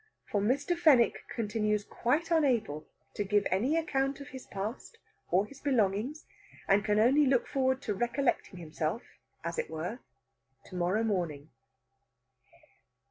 For Mr. Fenwick continues quite unable to give any account of his past or his belongings, and can only look forward to recollecting himself, as it were, to morrow morning.